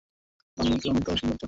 লাল মড়কের অনন্ত অসীম রাজ্য।